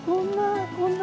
こんな！